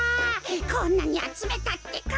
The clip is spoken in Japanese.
こんなにあつめたってか。